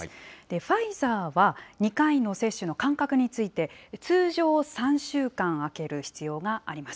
ファイザーは、２回の接種の間隔について、通常３週間空ける必要があります。